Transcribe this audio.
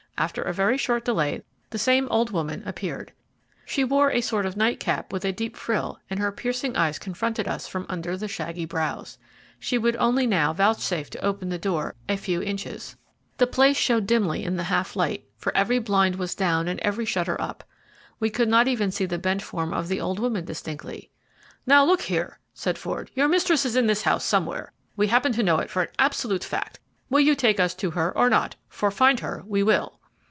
After a very short delay the same old woman appeared. She wore a sort of night cap with a deep frill, and her piercing eyes confronted us from under the shaggy brows. She would only now vouchsafe to open the door a few inches. The place showed dimly in the half light, for every blind was down and every shutter up. We could not even see the bent form of the old woman distinctly. "Now, look here," said Ford, "your mistress is in this house somewhere. We happen to know it for an absolute fact. Will you take us to her or not, for find her we will?"